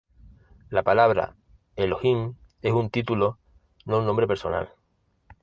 La palabra Elohim es un título, no un nombre personal.